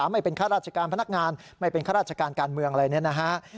ไม่เป็นข้าราชการพนักงานไม่เป็นข้าราชการการเมืองอะไรเนี่ยนะฮะ